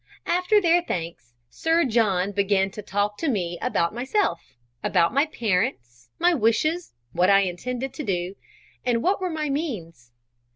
After their thanks, Sir John began to talk to me about myself about my parents my wishes what I intended to do and what were my means?